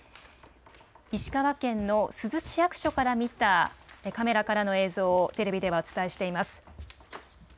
石川県の珠洲市役所から見たカメラからの映像をテレビではお伝えしています。